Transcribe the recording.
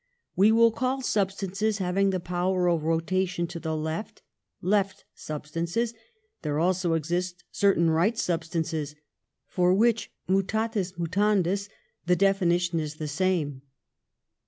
We will call substances having the power of rotation to the left left substances. There also exist certain right substances, for which, mutatis mutandis, the definition is the same.''